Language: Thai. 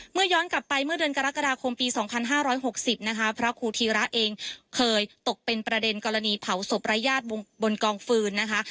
ย้อนกลับไปเมื่อเดือนกรกฎาคมปี๒๕๖๐นะคะพระครูธีระเองเคยตกเป็นประเด็นกรณีเผาศพรายญาติบนกองฟืนนะคะ